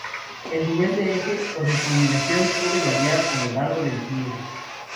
El nivel de eje o de culminación puede variar a lo largo del pliegue.